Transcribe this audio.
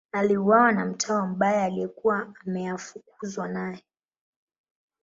Aliuawa na mtawa mbaya aliyekuwa ameafukuzwa naye.